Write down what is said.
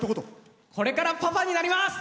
これからパパになります！